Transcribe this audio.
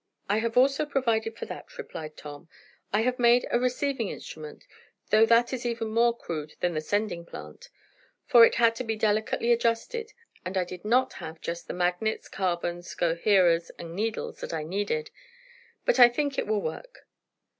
"I have also provided for that," replied Tom. "I have made a receiving instrument, though that is even more crude than the sending plant, for it had to be delicately adjusted, and I did not have just the magnets, carbons, coherers and needles that I needed. But I think it will work."